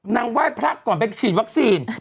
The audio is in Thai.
ไหว้พระก่อนไปฉีดวัคซีน